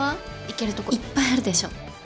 行けるとこいっぱいあるでしょ。